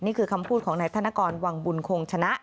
นี่คือคำพูดของนายธนกรวังบุญคงชนะ